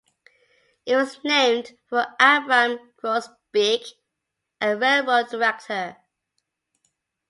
It was named for Abram Groesbeeck, a railroad director.